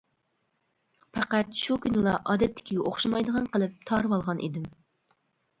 پەقەت شۇ كۈنىلا ئادەتتىكىگە ئوخشىمايدىغان قىلىپ تارىۋالغان ئىدىم.